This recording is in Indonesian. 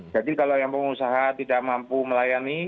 jadi kalau yang pengusaha tidak mampu melayani